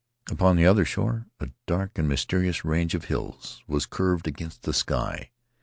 Upon the other shore a dark and mysterious range of hills was curved against the sky.